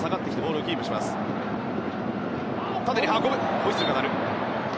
ホイッスルが鳴った。